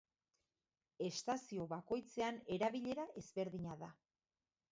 Estazio bakoitzean erabilera ezberdina da.